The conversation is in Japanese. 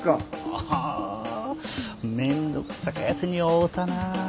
あぁめんどくさかやつに会うたなぁ。